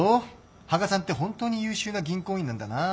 羽賀さんって本当に優秀な銀行員なんだな。